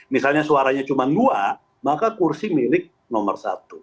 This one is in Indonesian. misalnya suaranya cuma dua maka kursi milik nomor satu